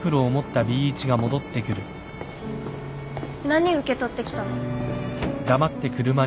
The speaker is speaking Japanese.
何受け取ってきたの？